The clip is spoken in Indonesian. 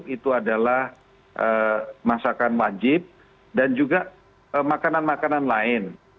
itu adalah masakan wajib dan juga makanan makanan lain